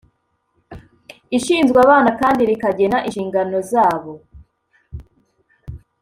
ishinzwe abana kandi rikagena inshinganozabo